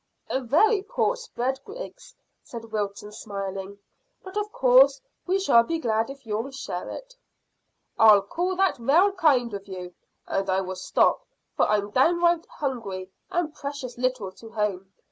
"A very poor spread, Griggs," said Wilton, smiling, "but of course we shall be glad if you'll share it." "I call that rale kind of you, and I will stop, for I'm downright hungry, and precious little to home.